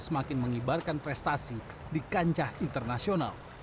semakin mengibarkan prestasi di kancah internasional